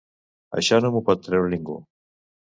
Això no m’ho pot treure ningú.